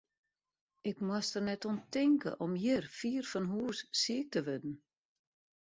Ik moast der net oan tinke om hjir, fier fan hús, siik te wurden.